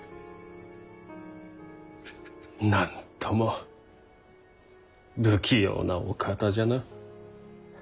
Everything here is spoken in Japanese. なんとも不器用なお方じゃな。